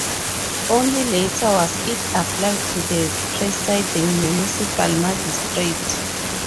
Only later was it applied to the presiding municipal magistrate.